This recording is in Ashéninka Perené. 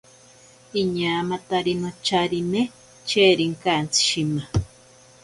Iñaamatari nocharine cherinkantsi shima.